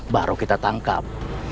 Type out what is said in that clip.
baru kita tangkap